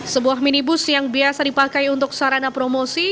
sebuah minibus yang biasa dipakai untuk sarana promosi